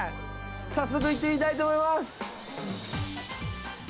早速、行ってみたいと思います！